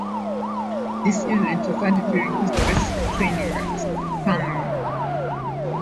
This event occurred during his basic training at Stanway.